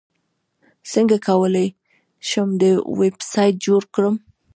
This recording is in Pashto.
څنګه کولی شم یو ویبسایټ جوړ کړم